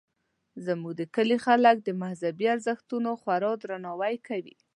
زموږ د کلي خلک د مذهبي ارزښتونو خورا درناوی کوي